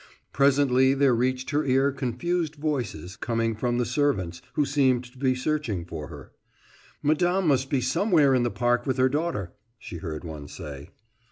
Presently there reached her ear confused voices, coming from the servants, who seemed to be searching for her. "Madame must be somewhere in the park with her daughter," she heard one say.